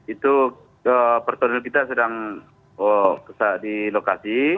itu personil kita sedang di lokasi